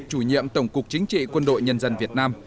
chủ nhiệm tổng cục chính trị quân đội nhân dân việt nam